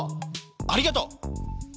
ありがとう。